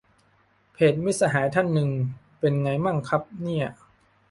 เพจมิตรสหายท่านหนึ่งเป็นไงมั่งครับเนี่ย